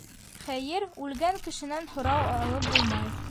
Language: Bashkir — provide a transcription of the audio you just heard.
Хәйер, үлгән кешенән һорау алып булмай.